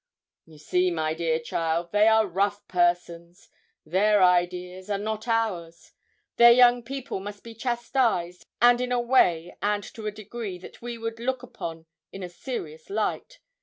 'You see, my dear child, they are rough persons; their ideas are not ours; their young people must be chastised, and in a way and to a degree that we would look upon in a serious light.